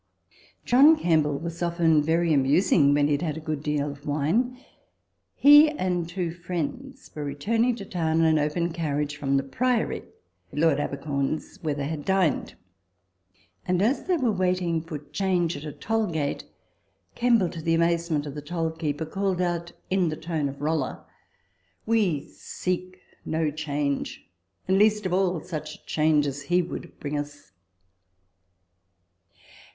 John Kemble was often very amusing when he had had a good deal of wine. He and two friends were returning to town in an open carriage from the Priory (Lord Abercorn's), where they had dined ; and as they were waiting for change at a toll gate, Kemble, to the amazement of the toll keeper, called out in the tone of Rolla, " We seek no change ; and, least of all, such change as he would bring us."